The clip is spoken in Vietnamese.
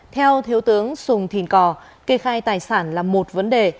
theo thiếu tướng sùng thìn cò kê khai tài sản là một vấn đề